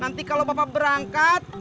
nanti kalau bapak berangkat